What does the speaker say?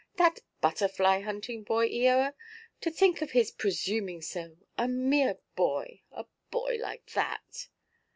"That butterfly–hunting boy, Eoa! To think of his presuming so! A mere boy! A boy like that!"